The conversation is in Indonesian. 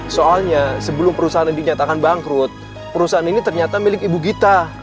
soalnya sebelum perusahaan ini dinyatakan bangkrut perusahaan ini ternyata milik ibu gita